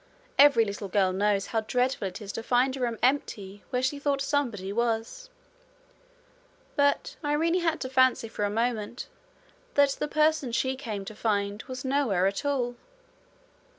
Every little girl knows how dreadful it is to find a room empty where she thought somebody was; but Irene had to fancy for a moment that the person she came to find was nowhere at all.